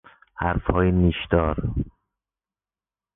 حرفهای نیشدار